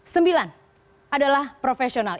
sembilan adalah profesional